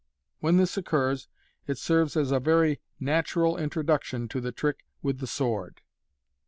When this occurs, it serves as a very natural introduction to the trick with the sword.